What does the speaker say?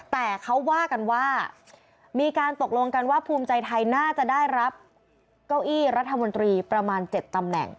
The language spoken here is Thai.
แต่เขาว่ากันว่ามีการตกลงกันว่าภูมิใจไทยน่าจะได้รับเก้าอี้รัฐมนตรีประมาณ๗ตำแหน่ง